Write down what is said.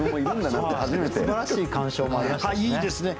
すばらしい鑑賞もありましたしね。